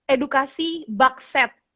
edukasi bug set